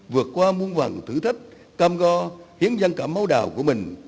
vượt qua muôn vàng thử thách cam go hiến dân cảm máu đào của mình